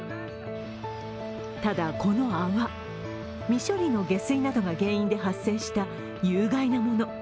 ただ、この泡、未処理の下水などが原因で発生した有害なもの。